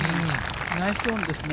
ナイスオンですね。